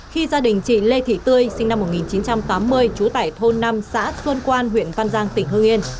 khi gia đình chị lê thị tươi sinh năm một nghìn chín trăm tám mươi trú tại thôn năm xã xuân quan huyện văn giang tỉnh hương yên